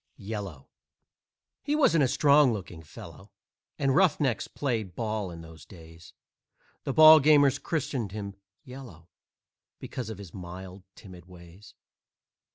"YELLOW" He wasn't a strong looking fellow, And roughnecks played ball in those days; The ballgamers christened him "Yellow" Because of his mild, timid ways.